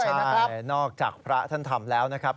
ใช่นอกจากพระท่านทำแล้วนะครับ